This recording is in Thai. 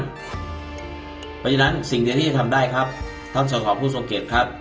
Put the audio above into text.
เพราะฉะนั้นสิ่งเดียวที่จะทำได้ครับท่านสอสอผู้ทรงเกียจครับ